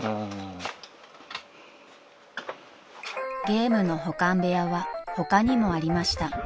［ゲームの保管部屋は他にもありました］